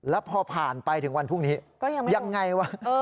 แล้วพอผ่านไปถึงวันพรุ่งนี้ยังไงวะ